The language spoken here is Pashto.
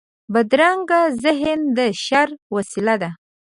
بدرنګه ذهن د شر وسيله ده